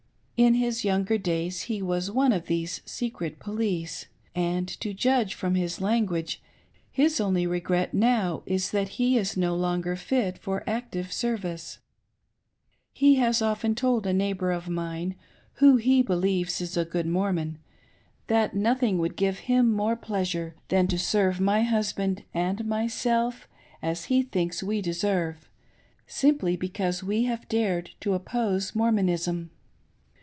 In his younger ^ilays he was one of these secret police, and, to judge from his language, his only regret now is that he is no longer fit f of active service. He has often told a neighbor of mine, who he believes is a good Mormon, that nothing would give him more pleasure than to serve my husband and myself as he thinks we deserve — simply because we have dared to oppose Mor monism.